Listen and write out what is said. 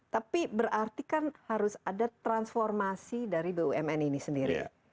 tapi berarti kan harus ada transformasi dari bumn ini sendiri